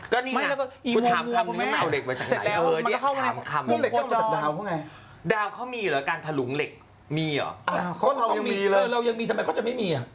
ก็นี่แหละกูถามคำนี้เอาเหล็กมาจากไหน